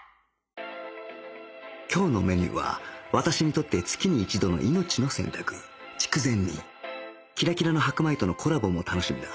今日のメニューは私にとって月に一度の命の洗濯筑前煮キラキラの白米とのコラボも楽しみだ